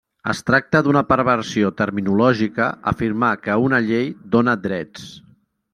Es tracta d'una perversió terminològica afirmar que una llei dóna drets.